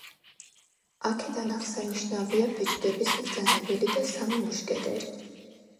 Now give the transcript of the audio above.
აქედან აღსანიშნავია „ბეჭდების მბრძანებელი“ და „სამი მუშკეტერი“.